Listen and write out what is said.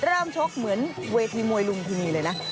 เริ่มชกเหมือนเวทีมวยลุงที่นี่เลยนะ